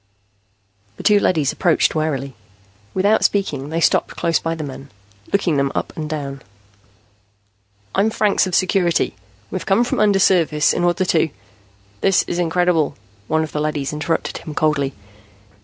The two leadys approached warily. Without speaking, they stopped close by the men, looking them up and down. "I'm Franks of Security. We came from undersurface in order to " "This in incredible," one of the leadys interrupted him coldly.